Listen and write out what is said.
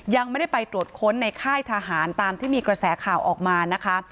ยังไม่ได้ไปตรวจค้นในค่ายทหารตามที่มีกระแสข่าวออกมานะคะ